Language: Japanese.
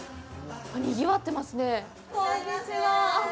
にぎわってますね。